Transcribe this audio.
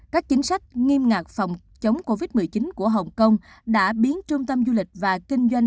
các chính sách nghiêm ngặt phòng chống covid một mươi chín của hồng kông đã biến trung tâm du lịch và kinh doanh